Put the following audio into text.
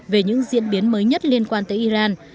về những diễn biến mới nhất liên quan tới iran